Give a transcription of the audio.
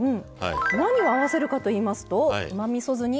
何を合わせるかといいますとうまみそ酢に。